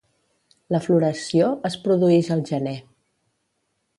La floració es produïx al gener.